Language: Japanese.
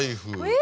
え！